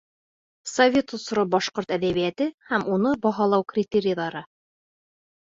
Совет осоро башҡорт әҙәбиәте һәм уны баһалау критерийҙары